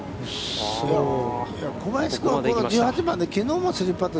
小林君は１８番できょうも３パット。